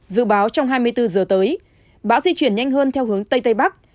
dự báo trong hai mươi bốn giờ tới bão di chuyển nhanh hơn theo hướng tây tây bắc